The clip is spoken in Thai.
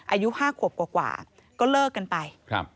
อายุห้าขวบกว่ากว่าก็เลิกกันไป